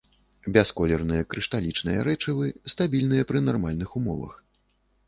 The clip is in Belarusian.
Бясколерныя крышталічныя рэчывы, стабільныя пры нармальных умовах.